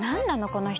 この人。